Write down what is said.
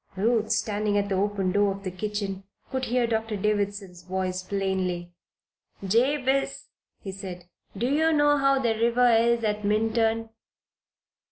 Ruth, standing at the open door of the kitchen, could hear Dr. Davison's voice plainly. "Jabez," he said, "do you know how the river is at Minturn?"